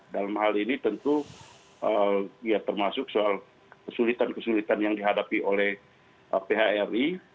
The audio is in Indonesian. dalam hal ini tentu ya termasuk soal kesulitan kesulitan yang dihadapi oleh phri